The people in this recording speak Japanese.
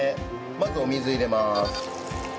まずお水入れます。